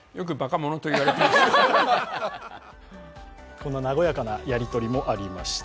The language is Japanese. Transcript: こんな和やかなやりとりもありました。